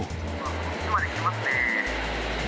こっちまで来ますね。